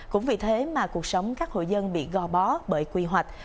cũng vì thế mà cuộc sống các hộ dân bị go bó bởi quy hoạch